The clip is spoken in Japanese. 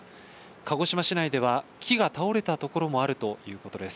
鹿児島市内では、木が倒れたところもあるということです。